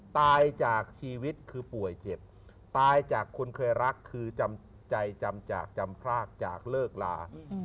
ตายจากชีวิตคือป่วยเจ็บตายจากคนเคยรักคือจำใจจำจากจำพรากจากเลิกลา